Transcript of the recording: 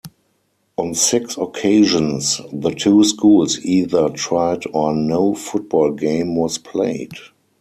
On six occasions, the two schools either tied or no football game was played.